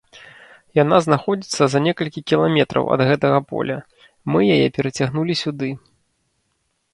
Яна знаходзіцца за некалькі кіламетраў ад гэтага поля, мы яе перацягнулі сюды.